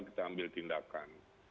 kita ambil tindakan